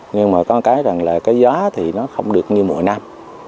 nhưng mà có một cái là cái giá thì nó không được như mùa nam